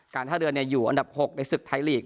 ท่าเรืออยู่อันดับ๖ในศึกไทยลีก